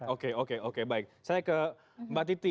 oke oke oke baik saya ke mbak titi